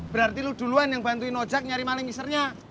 berarti lu duluan yang bantuin ojek nyari maling misernya